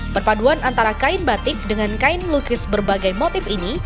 perpaduan antara kain batik dengan kain lukis berbagai motif ini